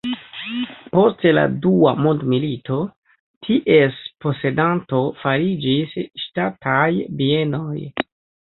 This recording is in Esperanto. Post la dua mondmilito ties posedanto fariĝis Ŝtataj bienoj.